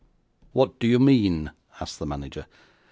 'What do you mean?' asked the manager.